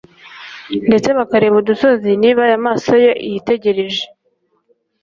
ndetse bakareba udusozi n'ibibaya amaso ye yitegereje.